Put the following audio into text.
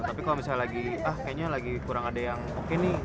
tapi kalau misalnya lagi ah kayaknya lagi kurang ada yang oke nih